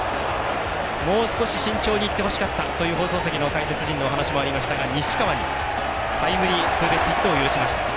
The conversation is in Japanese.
もう少し慎重にいってほしかったという放送席の解説陣のお話もありましたが西川にタイムリーツーベースヒット許しました。